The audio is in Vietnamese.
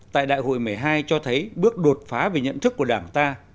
tại đại hội một mươi hai cho thấy bước đột phá về nhận thức của đảng ta